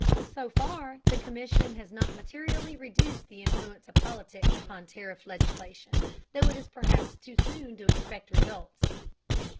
So far the Commission has not materially reduced the influence of politics upon tariff legislation, though it is perhaps too soon to expect results.